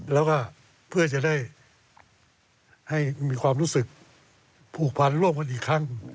แล้วก็เพื่อจะได้ให้มีความรู้สึกผูกพันร่วมกันอีกครั้ง